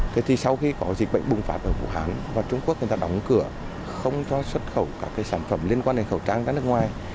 thế thì sau khi có dịch bệnh bùng phát ở vũ hán và trung quốc người ta đóng cửa không cho xuất khẩu các cái sản phẩm liên quan đến khẩu trang ra nước ngoài